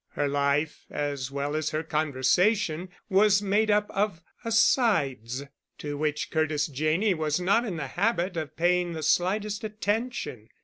Her life, as well as her conversation, was made up of "asides," to which Curtis Janney was not in the habit of paying the slightest attention.